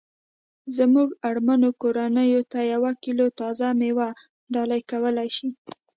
زمونږ اړمنو کورنیوو ته یوه کیلو تازه میوه ډالۍ کولای شي